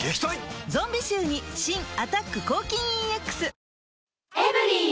ゾンビ臭に新「アタック抗菌ＥＸ」